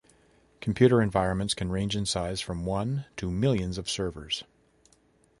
Computer environments can range in size from one to millions of servers.